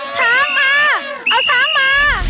ช้างมาเอาช้างมา